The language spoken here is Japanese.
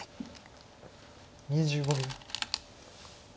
２５秒。